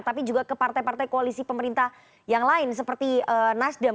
tapi juga ke partai partai koalisi pemerintah yang lain seperti nasdem